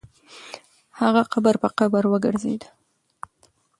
هغه قبر په قبر وګرځېد.